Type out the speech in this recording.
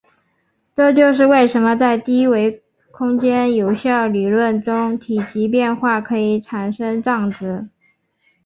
这就是为什么在低维空间有效理论中体积变化可以产生胀子。